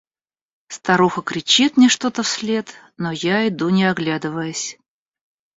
Старуха кричит мне что-то вслед, но я иду не оглядываясь.